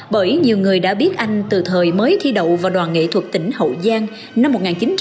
bởi nhiều người đã biết anh từ thời mới thi đậu vào đoàn nghệ thuật tỉnh hậu giang năm một nghìn chín trăm bảy mươi